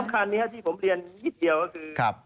แล้วสิ่งสำคัญที่ผมเรียนนิดเดียวคือ